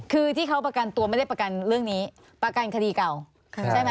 คือที่เขาประกันตัวไม่ได้ประกันเรื่องนี้ประกันคดีเก่าใช่ไหม